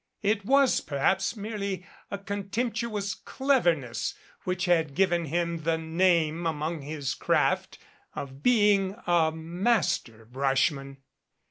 It was perhaps merely a contemptuous cleverness which had given him the name among his craft of being a "master brushman."